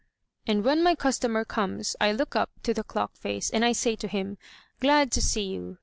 And when my customer comes I look up to the clock face and I say to him, 'Glad to see you!'